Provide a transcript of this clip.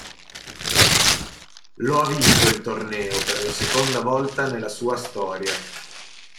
Lo ha vinto il torneo per la seconda volta nella sua storia.